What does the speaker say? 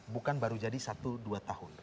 bukan baru jadi satu dua tahun